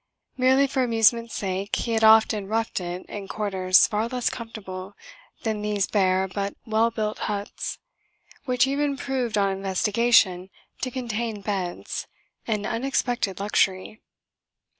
Merely for amusement's sake he had often "roughed it" in quarters far less comfortable than these bare but well built huts which even proved, on investigation, to contain beds: an unexpected luxury.